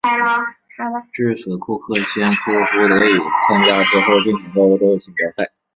至此库克先科夫得以参加之后进行的欧洲锦标赛。